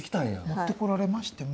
持ってこられましても。